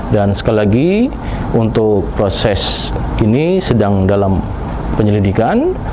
dan sekali lagi untuk proses ini sedang dalam penyelidikan